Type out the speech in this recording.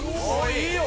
「いいよ！」